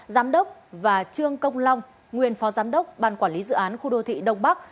giám đốc và trương công long nguyên phó giám đốc ban quản lý dự án khu đô thị đông bắc